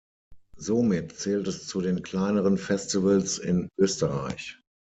Somit zählt es zu den kleineren Festivals in Österreich.